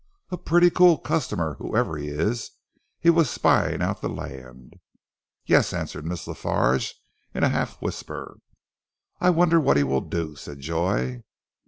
"A pretty cool customer, whoever he is! He was spying out the land." "Yes!" answered Miss La Farge in a half whisper. "I wonder what he will do?" said Joy.